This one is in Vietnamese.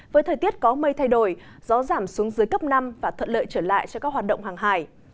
với thời tiết có mây thay đổi gió giảm xuống dưới cấp năm và thuận lợi trở lại cho các hoạt động hàng hải